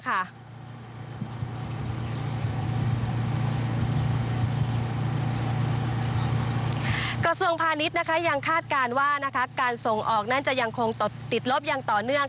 กระทรวงพาณิชย์ยังคาดการณ์ว่าการส่งออกนั้นจะยังคงติดลบอย่างต่อเนื่อง